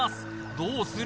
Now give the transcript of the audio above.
どうする？